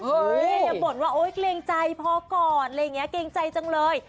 เมียนี่บ่นว่าเกรงใจพอก่อนอะไรอย่างนี้เกรงใจจังเลย